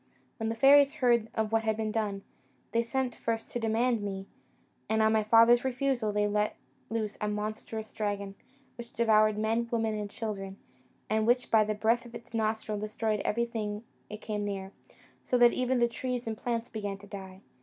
When the fairies heard of what had been done, they sent first to demand me; and on my father's refusal, they let loose a monstrous dragon, which devoured men, women, and children, and which, by the breath of its nostrils, destroyed everything it came near, so that even the trees and plants began to die.